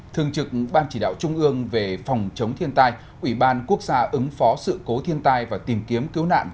thường trực ban chỉ đạo trung ương về phòng chống thiên tai ủy ban quốc gia ứng phó sự cố thiên tai và tìm kiếm cứu nạn